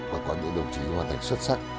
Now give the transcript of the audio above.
và có những đồng chí hoàn thành xuất sắc